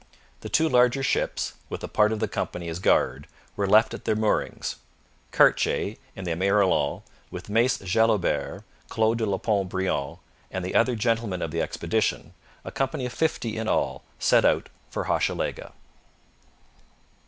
The two larger ships, with a part of the company as guard, were left at their moorings. Cartier in the Emerillon, with Mace Jalobert, Claude de Pont Briand, and the other gentlemen of the expedition, a company of fifty in all, set out for Hochelaga.